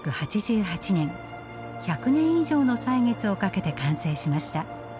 １００年以上の歳月をかけて完成しました。